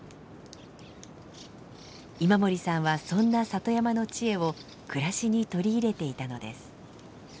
今森さんはそんな里山の知恵を暮らしに取り入れていたのです。